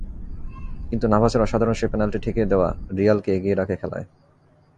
কিন্তু নাভাসের অসাধারণ সেই পেনাল্টি ঠেকিয়ে দেওয়া রিয়ালকে এগিয়ে রাখে খেলায়।